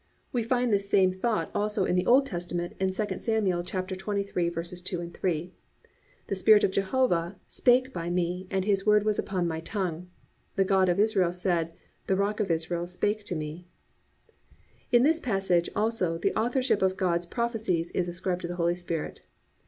We find this same thought also in the Old Testament in II Samuel 23:2, 3: +"The Spirit of Jehovah spake by me, and His word was upon my tongue. The God of Israel said, the Rock of Israel spake to me."+ In this passage, also, the authorship of God's prophecies is ascribed to the Holy Spirit.